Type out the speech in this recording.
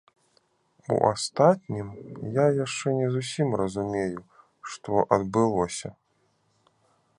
У астатнім, я яшчэ не зусім разумею, што адбылося.